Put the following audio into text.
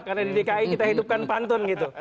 karena di dki kita hidupkan pantun gitu